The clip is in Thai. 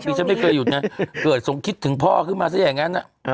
ฉันไม่เคยหยุดนะเกิดสมคิดถึงพ่อขึ้นมาซะอย่างนั้น